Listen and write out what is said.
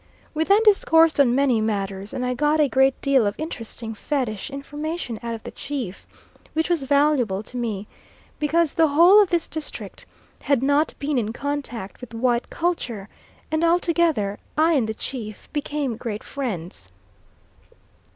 We then discoursed on many matters, and I got a great deal of interesting fetish information out of the chief, which was valuable to me, because the whole of this district had not been in contact with white culture; and altogether I and the chief became great friends.